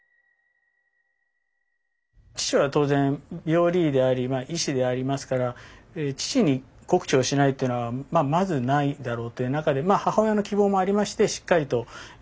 父は当然病理医であり医師でありますから父に告知をしないというのはまずないだろうという中でまあ母親の希望もありましてしっかりと告知をされたと。